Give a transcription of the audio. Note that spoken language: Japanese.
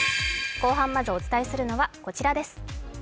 後半まずお伝えするのはこちらです。